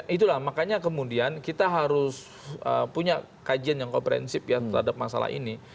itulah makanya kemudian kita harus punya kajian yang komprehensif ya terhadap masalah ini